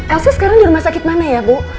elsa sekarang di rumah sakit mana ya bu